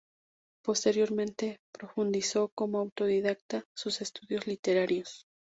Posteriormente, profundizó como autodidacta sus estudios literarios.